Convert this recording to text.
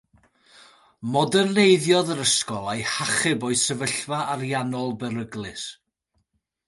Moderneiddiodd yr ysgol a'i hachub o'i sefyllfa ariannol beryglus.